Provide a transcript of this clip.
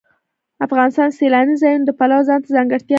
افغانستان د سیلانی ځایونه د پلوه ځانته ځانګړتیا لري.